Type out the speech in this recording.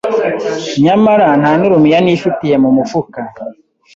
Nyamara nta n’urumiya nifitiye mu mufuka!